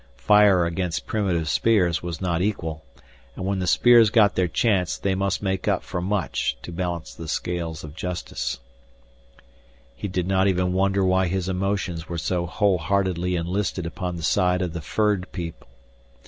Fire against primitive spears was not equal, and when the spears got their chance they must make up for much to balance the scales of justice. He did not even wonder why his emotions were so wholeheartedly enlisted upon the side of the furred people.